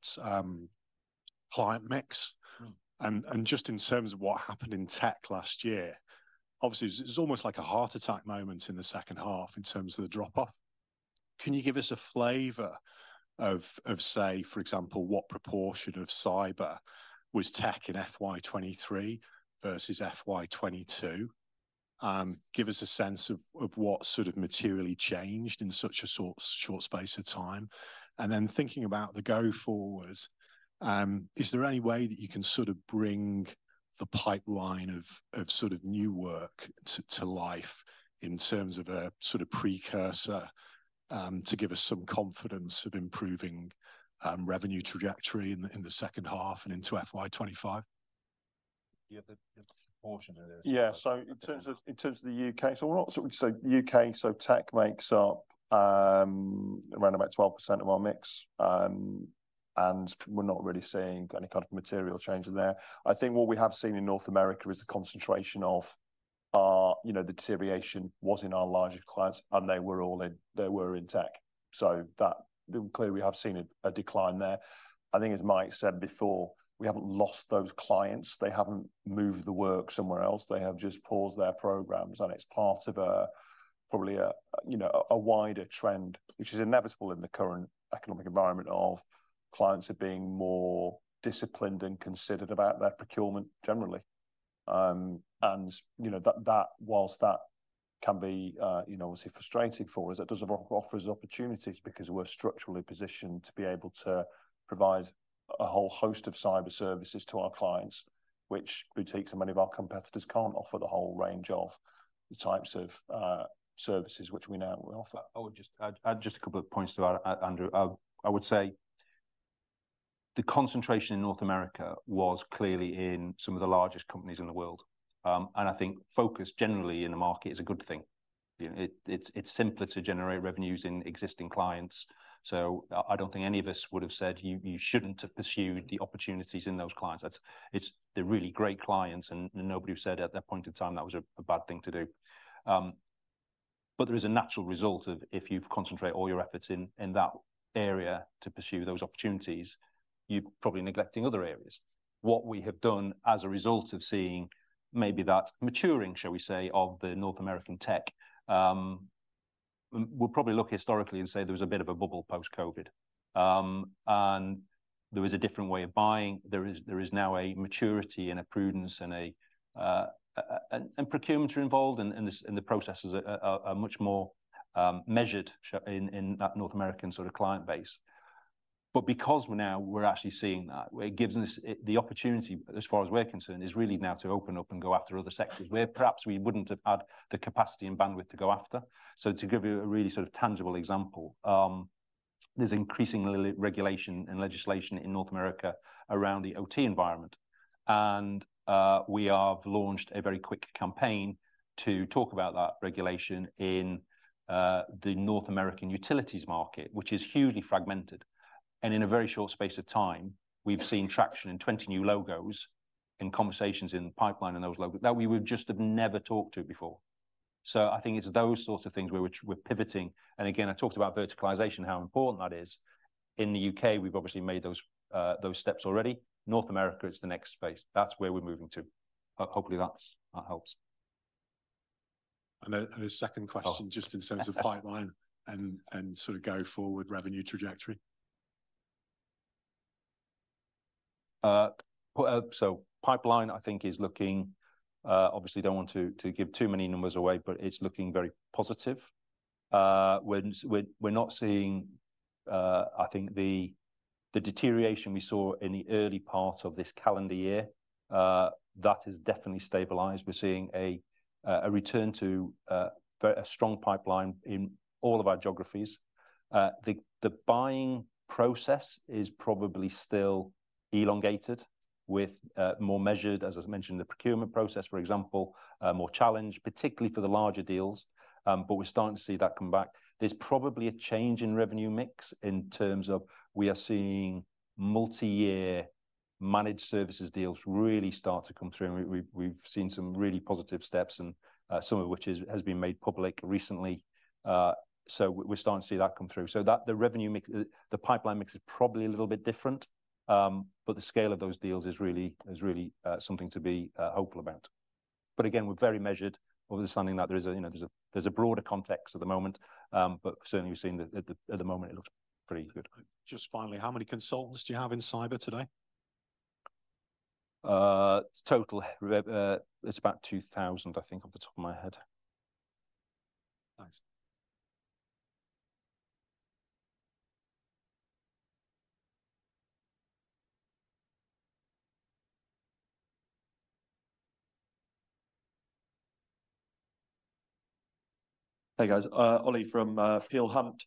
client mix. And just in terms of what happened in tech last year, obviously, it's almost like a heart attack moment in the second half in terms of the dropoff. Can you give us a flavor of, say, for example, what proportion of cyber was tech in FY 2023 versus FY 2022? Give us a sense of what sort of materially changed in such a short space of time. And then thinking about the go forward, is there any way that you can sort of bring the pipeline of sort of new work to life in terms of a sort of precursor to give us some confidence of improving revenue trajectory in the second half and into FY 2025? Yeah, the portion of this. Yeah, so in terms of the U.K., so we're not—so U.K., so tech makes up around about 12% of our mix. And we're not really seeing any kind of material change in there. I think what we have seen in North America is the concentration of our, you know, the deterioration was in our larger clients, and they were all in, they were in tech. So that—clearly, we have seen a decline there. I think, as Mike said before, we haven't lost those clients. They haven't moved the work somewhere else. They have just paused their programs, and it's part of a probably a, you know, a wider trend, which is inevitable in the current economic environment of clients are being more disciplined and considered about their procurement generally. You know, that while that can be, you know, obviously frustrating for us, it does offer us opportunities because we're structurally positioned to be able to provide a whole host of cyber services to our clients, which boutiques and many of our competitors can't offer the whole range of types of services which we now offer. I would just add just a couple of points to Andrew. I would say the concentration in North America was clearly in some of the largest companies in the world. And I think focus generally in the market is a good thing. You know, it's simpler to generate revenues in existing clients. So I don't think any of us would have said, "You shouldn't have pursued the opportunities in those clients." That's, it's the really great clients, and nobody said at that point in time, that was a bad thing to do. But there is a natural result of if you've concentrate all your efforts in that area to pursue those opportunities, you're probably neglecting other areas. What we have done as a result of seeing maybe that maturing, shall we say, of the North American tech, we'll probably look historically and say there was a bit of a bubble post-COVID. And there was a different way of buying. There is, there is now a maturity and a prudence and a, a, and procurement are involved in, in the, in the processes are much more measured in that North American sort of client base. But because we're now, we're actually seeing that, it gives us the opportunity, as far as we're concerned, is really now to open up and go after other sectors where perhaps we wouldn't have had the capacity and bandwidth to go after. So to give you a really sort of tangible example. There's increasing regulation and legislation in North America around the OT environment, and we have launched a very quick campaign to talk about that regulation in the North American utilities market, which is hugely fragmented. And in a very short space of time, we've seen traction in 20 new logos, in conversations in the pipeline, in those logos that we would just have never talked to before. So I think it's those sorts of things where we're pivoting, and again, I talked about verticalization, how important that is. In the U.K., we've obviously made those steps already. North America is the next space. That's where we're moving to. Hopefully, that helps. A second question [crosstalk] Oh. Just in terms of pipeline and sort of go-forward revenue trajectory. Well, so pipeline, I think, is looking, obviously don't want to give too many numbers away, but it's looking very positive. We're not seeing, I think, the deterioration we saw in the early part of this calendar year. That has definitely stabilized. We're seeing a return to a strong pipeline in all of our geographies. The buying process is probably still elongated with more measured, as I mentioned, the procurement process, for example, more challenged, particularly for the larger deals, but we're starting to see that come back. There's probably a change in revenue mix in terms of we are seeing multi-year managed services deals really start to come through, and we've seen some really positive steps, and some of which has been made public recently. We're starting to see that come through. So that, the revenue mix, the pipeline mix is probably a little bit different, but the scale of those deals is really something to be hopeful about. But again, we're very measured, obviously understanding that there is a, you know, there's a broader context at the moment. But certainly we've seen that at the moment, it looks pretty good. Just finally, how many consultants do you have in cyber today? Total, it's about 2,000, I think, off the top of my head. Thanks. Hey, guys, Ollie from Peel Hunt.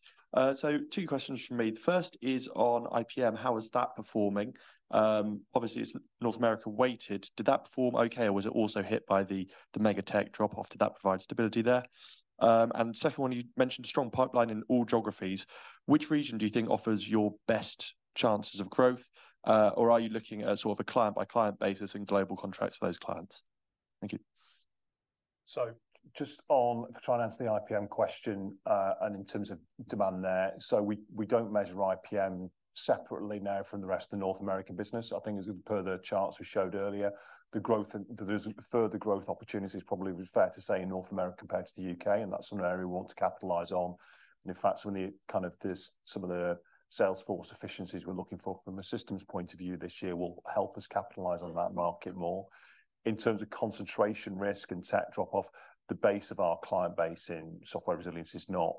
So two questions from me. The first is on IPM: How is that performing? Obviously, it's North America weighted. Did that perform okay, or was it also hit by the mega tech drop off? Did that provide stability there? And second one, you mentioned a strong pipeline in all geographies. Which region do you think offers your best chances of growth, or are you looking at sort of a client-by-client basis and global contracts for those clients? Thank you. Just on, to try and answer the IPM question, and in terms of demand there, so we, we don't measure IPM separately now from the rest of the North American business. I think as per the charts we showed earlier, the growth, there's further growth opportunities, probably fair to say, in North America compared to the UK, and that's an area we want to capitalize on. And in fact, some of the, kind of this, some of the Salesforce efficiencies we're looking for from a systems point of view this year will help us capitalize on that market more. In terms of concentration risk and tech drop-off, the base of our client base in Software Resilience is not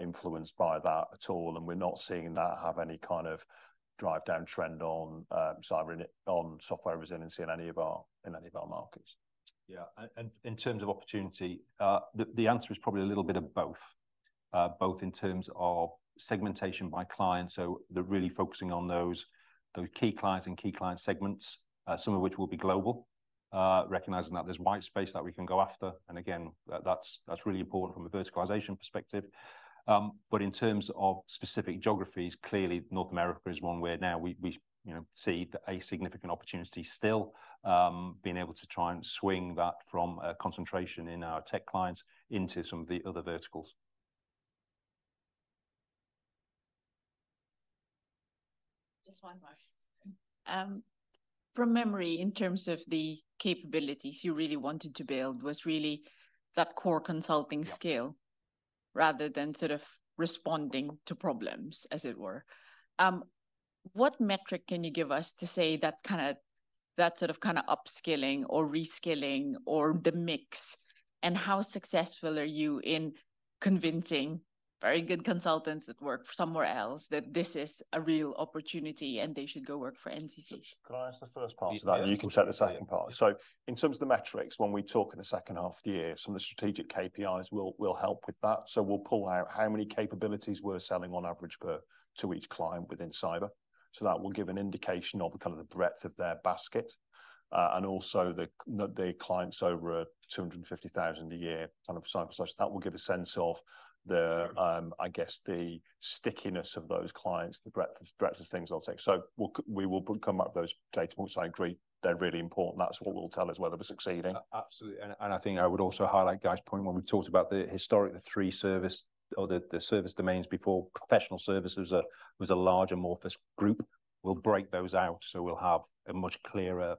influenced by that at all, and we're not seeing that have any kind of drive down trend on software resiliency in any of our markets. Yeah, and in terms of opportunity, the answer is probably a little bit of both, both in terms of segmentation by client, so they're really focusing on those key clients and key client segments, some of which will be global, recognizing that there's white space that we can go after. And again, that's really important from a verticalization perspective. But in terms of specific geographies, clearly North America is one where now we, you know, see a significant opportunity still, being able to try and swing that from a concentration in our tech clients into some of the other verticals. Just one more. From memory, in terms of the capabilities you really wanted to build, was really that core consulting skill rather than sort of responding to problems, as it were. What metric can you give us to say that kind of, that sort of, kind of upskilling or reskilling or the mix, and how successful are you in convincing very good consultants that work somewhere else that this is a real opportunity, and they should go work for NCC? Can I answer the first part of that [crosstalk] Yeah You can take the second part? So in terms of the metrics, when we talk in the second half of the year, some of the strategic KPIs will help with that. So we'll pull out how many capabilities we're selling on average per to each client within cyber. So that will give an indication of kind of the breadth of their basket, and also the clients over 250,000 a year, kind of, so and such. That will give a sense of the, I guess, the stickiness of those clients, the breadth of things I'll take. So we'll come up with those data points. I agree, they're really important. That's what will tell us whether we're succeeding. Absolutely, and, and I think I would also highlight Guy's point when we talked about the historic, the three service or the, the service domains before. Professional services are, was a large amorphous group. We'll break those out, so we'll have a much clearer,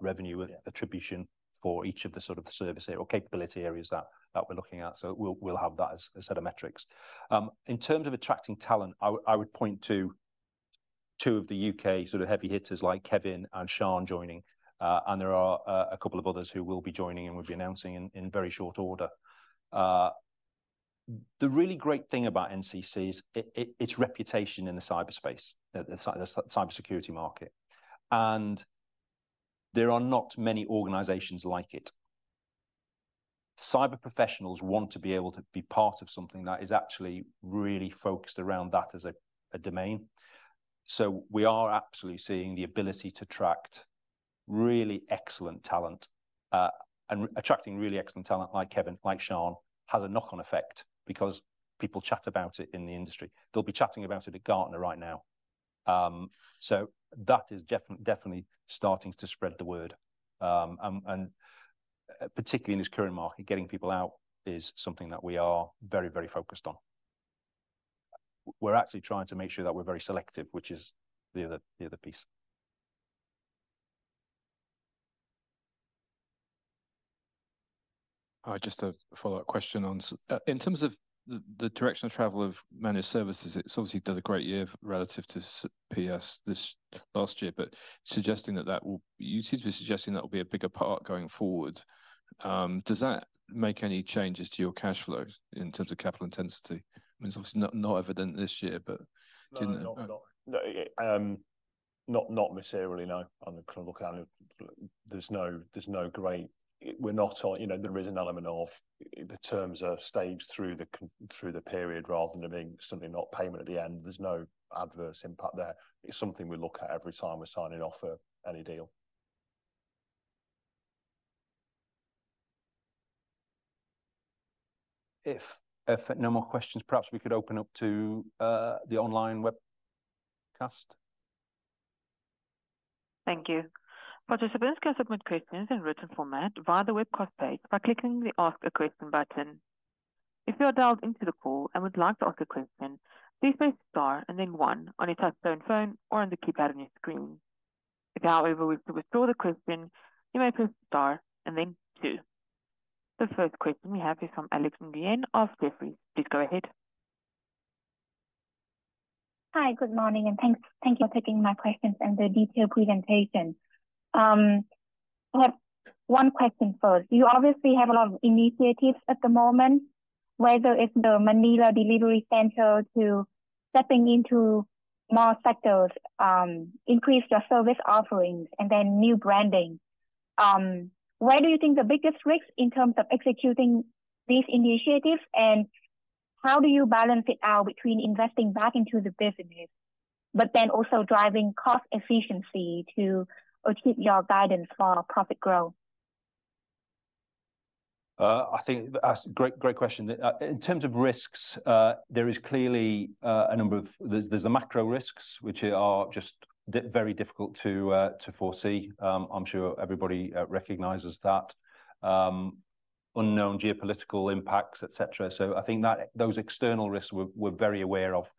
revenue- Yeah Attribution for each of the sort of service or capability areas that we're looking at. So we'll have that as a set of metrics. In terms of attracting talent, I would point to two of the U.K. sort of heavy hitters, like Kevin and Siân joining, and there are a couple of others who will be joining and we'll be announcing in very short order. The really great thing about NCC is its reputation in the cyber space, the cybersecurity market, and there are not many organizations like it... cyber professionals want to be able to be part of something that is actually really focused around that as a domain. We are absolutely seeing the ability to attract really excellent talent, and attracting really excellent talent like Kevin, like Siân, has a knock-on effect because people chat about it in the industry. They'll be chatting about it at Gartner right now. So that is definitely starting to spread the word. And particularly in this current market, getting people out is something that we are very, very focused on. We're actually trying to make sure that we're very selective, which is the other piece. Just a follow-up question on the direction of travel of Managed Services, it's obviously done a great year relative to PS this last year, but you seem to be suggesting that will be a bigger part going forward. Does that make any changes to your cash flow in terms of capital intensity? I mean, it's obviously not evident this year, but didn't it. [crosstalk] No, not materially, no. I'm kind of looking at it, there's no, there's no great—we're not on, you know, there is an element of the terms are staged through the period rather than there being suddenly no payment at the end. There's no adverse impact there. It's something we look at every time we're signing off any deal. If no more questions, perhaps we could open up to the online webcast. Thank you. Participants can submit questions in written format via the webcast page by clicking the Ask a Question button. If you are dialed into the call and would like to ask a question, please press Star and then One on your touchtone phone or on the keypad on your screen. If, however, you wish to withdraw the question, you may press star and then two. The first question we have is from Alex Nguyen of Jefferies. Please go ahead. Hi, good morning, and thanks for taking my questions and the detailed presentation. I have one question first. You obviously have a lot of initiatives at the moment, whether it's the Manila delivery center to stepping into more sectors, increase your service offerings, and then new branding. Where do you think the biggest risks in terms of executing these initiatives, and how do you balance it out between investing back into the business, but then also driving cost efficiency to achieve your guidance for profit growth? I think that's a great, great question. In terms of risks, there is clearly a number of, there's the macro risks, which are just very difficult to foresee. I'm sure everybody recognizes that. Unknown geopolitical impacts, et cetera. So I think that those external risks, we're very aware of.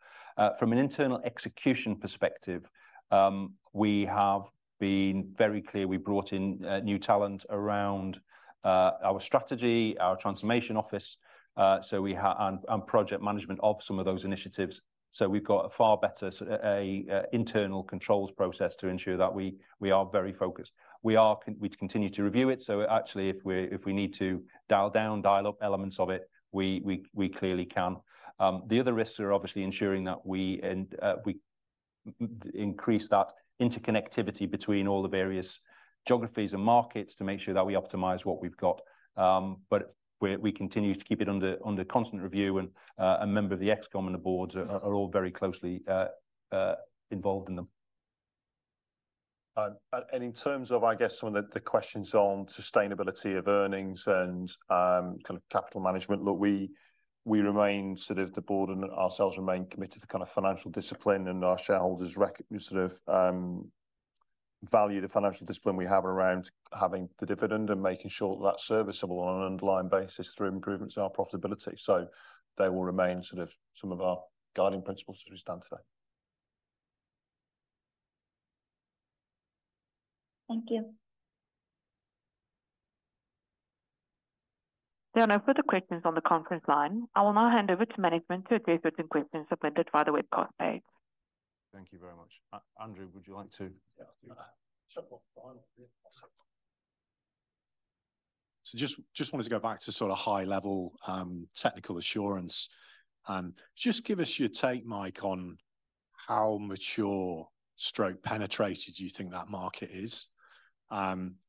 From an internal execution perspective, we have been very clear. We brought in new talent around our strategy, our transformation office and project management of some of those initiatives, so we've got a far better internal controls process to ensure that we are very focused. We continue to review it, so actually, if we need to dial down, dial up elements of it, we clearly can. The other risks are obviously ensuring that we increase that interconnectivity between all the various geographies and markets to make sure that we optimize what we've got. But we continue to keep it under constant review, and a member of the ExCom and the boards are all very closely involved in them. In terms of, I guess, some of the questions on sustainability of earnings and kind of capital management, look, we remain, sort of the board and ourselves, remain committed to kind of financial discipline, and our shareholders value the financial discipline we have around having the dividend and making sure that's serviceable on an underlying basis through improvements in our profitability. So they will remain sort of some of our guiding principles, which we stand for. Thank you. There are no further questions on the conference line. I will now hand over to management to address the questions submitted via the webcast page. Thank you very much. Andrew, would you like to? Yeah. Jump off the line. So just wanted to go back to sort of high-level technical assurance. Just give us your take, Mike, on how mature, stroke, penetrated you think that market is.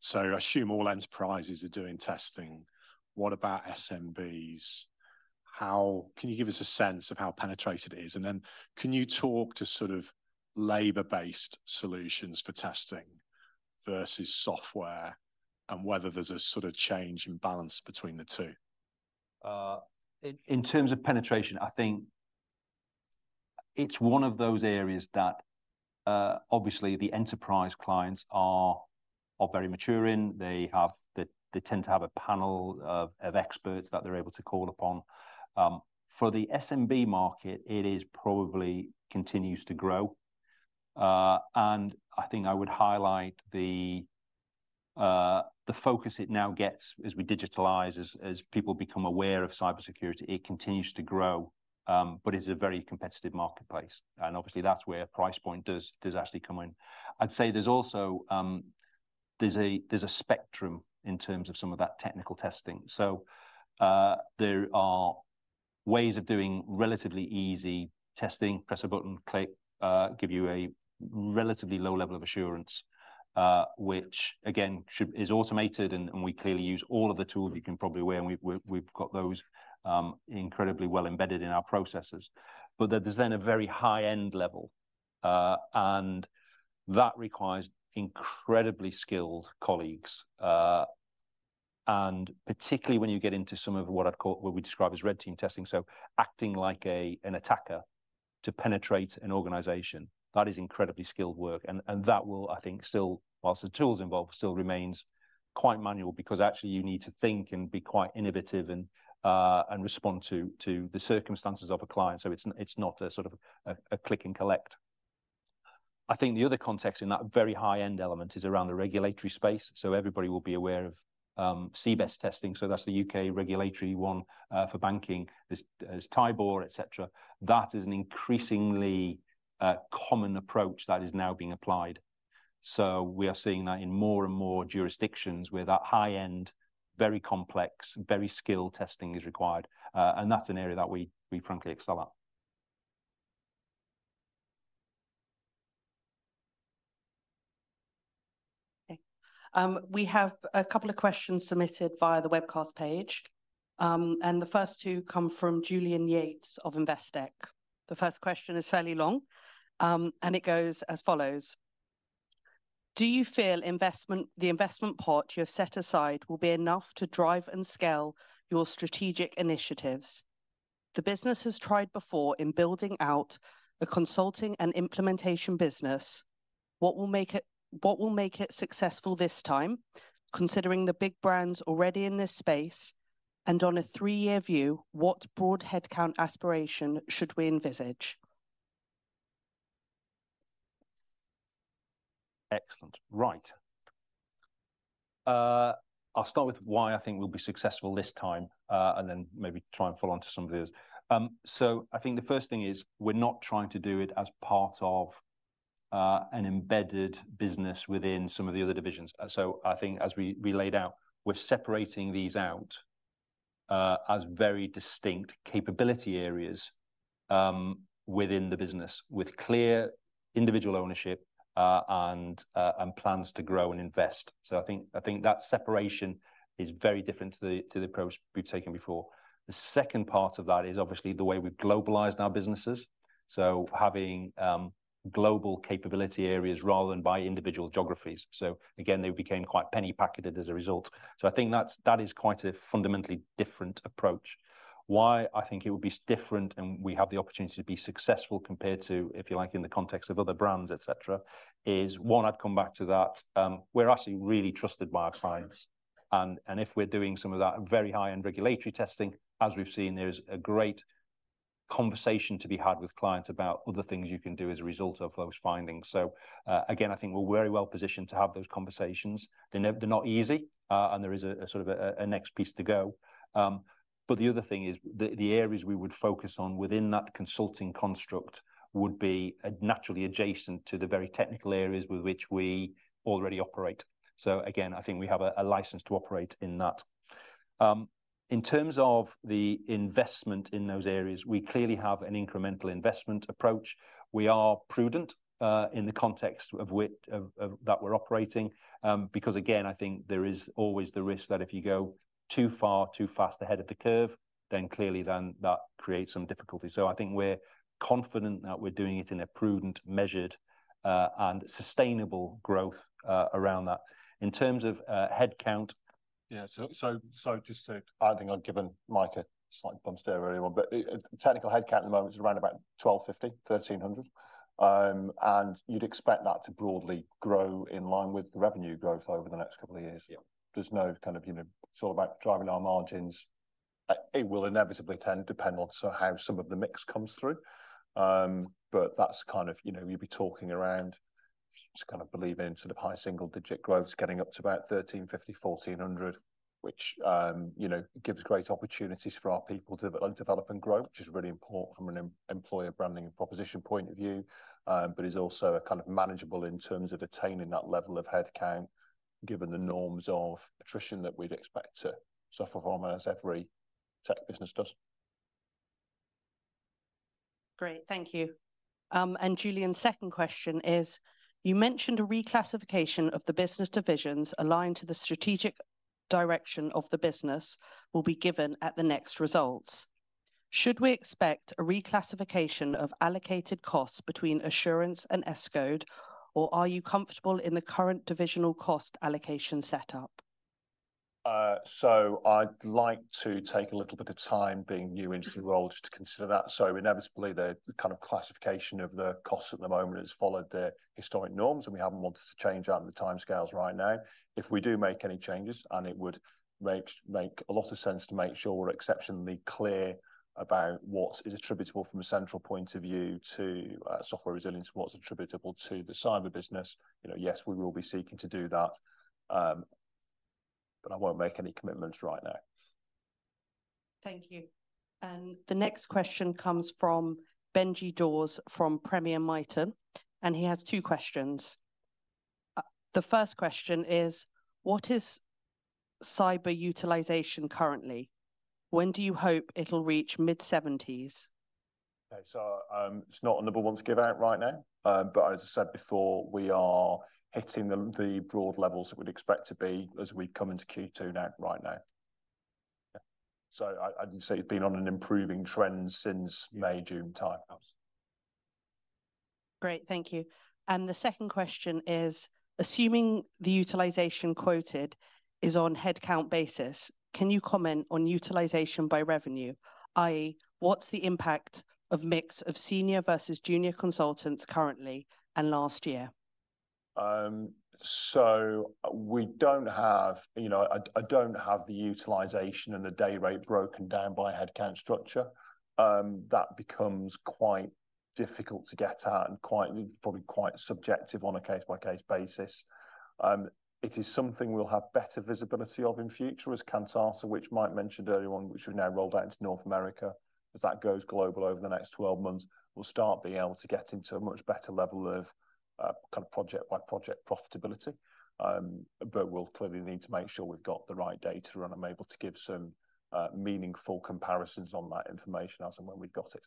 So I assume all enterprises are doing testing. What about SMBs? How can you give us a sense of how penetrated it is? And then, can you talk to sort of labor-based solutions for testing versus software, and whether there's a sort of change in balance between the two? In terms of penetration, I think it's one of those areas that, obviously, the enterprise clients are very mature in. They have. They tend to have a panel of experts that they're able to call upon. For the SMB market, it is probably continues to grow. And I think I would highlight the focus it now gets as we digitalize, as people become aware of cybersecurity, it continues to grow, but it's a very competitive marketplace, and obviously, that's where price point does actually come in. I'd say there's also a spectrum in terms of some of that technical testing. So, there are ways of doing relatively easy testing: press a button, click, give you a relatively low level of assurance, which, again, is automated, and we clearly use all of the tools you can probably use, and we've got those incredibly well embedded in our processes. There's then a very high-end level, and that requires incredibly skilled colleagues, and particularly when you get into some of what I'd call, what we describe as red team testing. So acting like an attacker to penetrate an organization, that is incredibly skilled work, and that will, I think, still, whilst the tools involved still remains quite manual, because actually you need to think and be quite innovative and respond to the circumstances of a client. So it's not a sort of a click and collect. I think the other context in that very high-end element is around the regulatory space, so everybody will be aware of CBEST testing, so that's the U.K. regulatory one for banking. There's TIBER, et cetera. That is an increasingly common approach that is now being applied. So we are seeing that in more and more jurisdictions where that high-end, very complex, very skilled testing is required, and that's an area that we frankly excel at. Okay, we have a couple of questions submitted via the webcast page, and the first two come from Julian Yates of Investec. The first question is fairly long, and it goes as follows: Do you feel the investment pot you have set aside will be enough to drive and scale your strategic initiatives? The business has tried before in building out a consulting and implementation business. What will make it successful this time, considering the big brands already in this space? And on a three-year view, what broad headcount aspiration should we envisage? Excellent. Right. I'll start with why I think we'll be successful this time, and then maybe try and follow on to some of the others. I think the first thing is, we're not trying to do it as part of an embedded business within some of the other divisions. I think as we laid out, we're separating these out as very distinct capability areas within the business, with clear individual ownership and plans to grow and invest. I think that separation is very different to the approach we've taken before. The second part of that is obviously the way we've globalized our businesses. Having global capability areas rather than by individual geographies. Again, they became quite penny packeted as a result. I think that is quite a fundamentally different approach. Why I think it will be different, and we have the opportunity to be successful compared to, if you like, in the context of other brands, et cetera, is one, I'd come back to that, we're actually really trusted by our clients. And if we're doing some of that very high-end regulatory testing, as we've seen, there's a great conversation to be had with clients about other things you can do as a result of those findings. So, again, I think we're very well positioned to have those conversations. They're not easy, and there is a sort of next piece to go. The other thing is the areas we would focus on within that consulting construct would be naturally adjacent to the very technical areas with which we already operate. So again, I think we have a license to operate in that. In terms of the investment in those areas, we clearly have an incremental investment approach. We are prudent in the context of that we're operating, because again, I think there is always the risk that if you go too far, too fast ahead of the curve, then clearly that creates some difficulty. So I think we're confident that we're doing it in a prudent, measured, and sustainable growth around that. In terms of headcount. Yeah, so just to, I think I've given Mike a slight bum steer earlier on, but technical headcount at the moment is around about 1,250, 1,300. And you'd expect that to broadly grow in line with the revenue growth over the next couple of years. Yeah. There's no kind of, you know, it's all about driving our margins. It will inevitably tend to depend on sort of how some of the mix comes through. But that's kind of, you know, you'd be talking around, just kind of believing in sort of high single-digit growth, getting up to about 1,350, 1,400, which, you know, gives great opportunities for our people to develop and grow, which is really important from an employer branding and proposition point of view, but is also a kind of manageable in terms of attaining that level of headcount, given the norms of attrition that we'd expect to suffer from, as every tech business does. Great, thank you. And Julian's second question is: You mentioned a reclassification of the business divisions aligned to the strategic direction of the business will be given at the next results. Should we expect a reclassification of allocated costs between Assurance and Escode, or are you comfortable in the current divisional cost allocation setup? I'd like to take a little bit of time, being new into the role, just to consider that. So inevitably, the kind of classification of the costs at the moment has followed the historic norms, and we haven't wanted to change out in the timescales right now. If we do make any changes, and it would make a lot of sense to make sure we're exceptionally clear about what is attributable from a central point of view to Software Resilience and what's attributable to the cyber business, you know, yes, we will be seeking to do that, but I won't make any commitments right now. Thank you. And the next question comes from Benji Dawes, from Premier Miton, and he has two questions. The first question is: What is cyber utilization currently? When do you hope it'll reach mid-seventies? Okay, so, it's not a number I want to give out right now, but as I said before, we are hitting the broad levels that we'd expect to be as we come into Q2 now, right now. Yeah. So I, I'd say we've been on an improving trend since May, June time. Great, thank you. The second question is: Assuming the utilization quoted is on headcount basis, can you comment on utilization by revenue, i.e., what's the impact of mix of senior versus junior consultants currently and last year? We don't have... You know, I don't have the utilization and the day rate broken down by headcount structure. That becomes quite difficult to get out and quite, probably quite subjective on a case-by-case basis. It is something we'll have better visibility of in future as Kantata, which Mike mentioned earlier on, which we've now rolled out into North America. As that goes global over the next 12 months, we'll start being able to get into a much better level of kind of project-by-project profitability. But we'll clearly need to make sure we've got the right data, and I'm able to give some meaningful comparisons on that information as and when we've got it.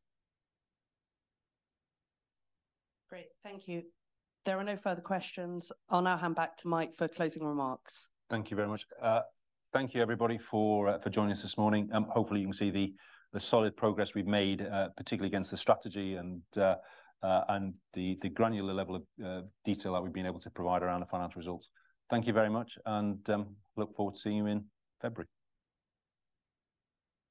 Great, thank you. There are no further questions. I'll now hand back to Mike for closing remarks. Thank you very much. Thank you, everybody, for joining us this morning, and hopefully you can see the solid progress we've made, particularly against the strategy and the granular level of detail that we've been able to provide around the financial results. Thank you very much, and look forward to seeing you in February.